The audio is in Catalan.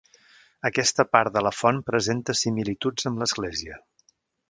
Aquesta part de la font presenta similituds amb l'església.